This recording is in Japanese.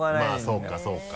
まぁそうかそうか。